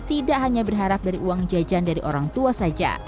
tidak hanya berharap dari uang jajan dari orang tua saja